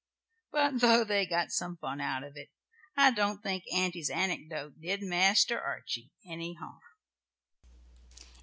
But though they got some fun out of it, I don't think Auntie's anecdote did Master Archie any harm.